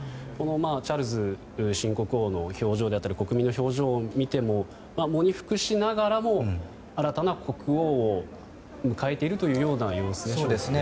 チャールズ新国王の表情であったり国民の表情を見ても喪に服しながらも、新たな国王を迎えているような様子ですね。